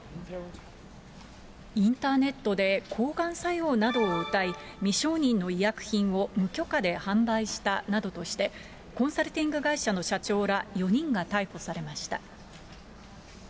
インターネットで抗がん作用などをうたい、未承認の医薬品を無許可で販売したなどとして、コンサルティング会社の社長ら４人が逮捕されました。